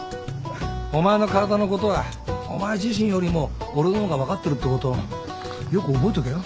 お前の体のことはお前自身よりも俺の方が分かってるってことよく覚えとけよ。